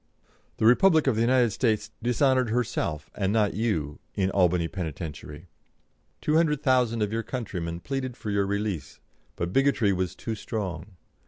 The Republic of the United States dishonoured herself, and not you, in Albany penitentiary. Two hundred thousand of your countrymen pleaded for your release, but bigotry was too strong.